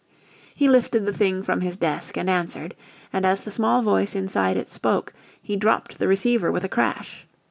He lifted the thing from his desk and answered and as the small voice inside it spoke he dropped the receiver with a crash.